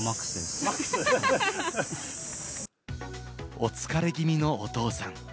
お疲れ気味のお父さん。